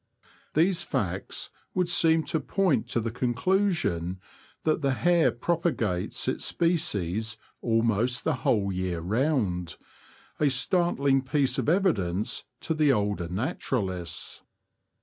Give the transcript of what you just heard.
These facts would seem to point to the conclusion that the hare propagates its species almost the whole year round — a startling piece of evidence to the older naturalists.